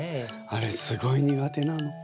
あれすごい苦手なの。